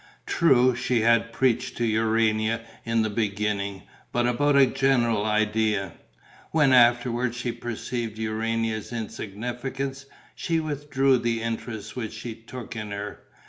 True, she had preached to Urania in the beginning, but about a general idea: when afterwards she perceived Urania's insignificance, she withdrew the interest which she took in her.